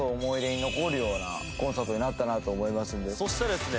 そしてですね